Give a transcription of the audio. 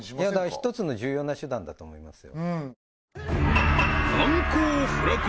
一つの重要な手段だと思いますよ